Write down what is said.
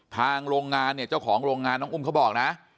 โรงงานเนี่ยเจ้าของโรงงานน้องอุ้มเขาบอกนะ